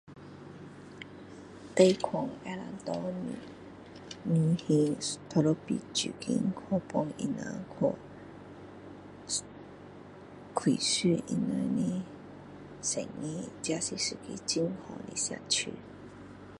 贷款第一笔资金去帮他们开始他们的生意这是一个很好的社区